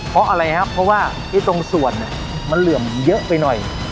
เพราะอะไรฮะเพราะว่าจริงส่วนเบาะเหลื่อมเยอะไปไหน